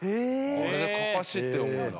あれでかかしって読むんだ。